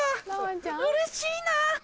うれしいな。